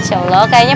insya allah kayaknya